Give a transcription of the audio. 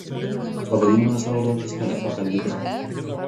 Pavadinimas rodo pistoleto kalibrą.